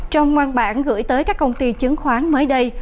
trong ngoan bản gửi tới các công ty chứng khoán mới đây